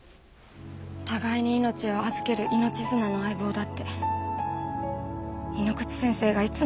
互いに命を預ける命綱の相棒だって井ノ口先生がいつも言ってたのに。